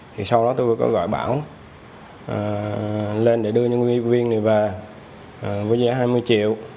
thì sau đó tôi có gọi bảo lên để đưa nhân viên này về với giá hai mươi triệu